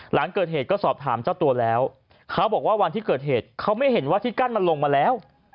หลังเกิดเหตุก็สอบถามเจ้าตัวแล้วเขาบอกว่าวันที่เกิดเหตุเขาไม่เห็นว่าที่กั้นมันลงมาแล้ว